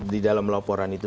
di dalam laporan itu